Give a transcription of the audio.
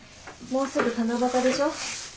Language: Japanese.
もうすぐ七夕でしょ。